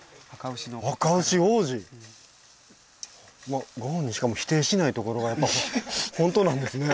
まあご本人しかも否定しないところがやっぱり本当なんですね。